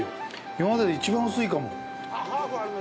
今までで一番薄いかも。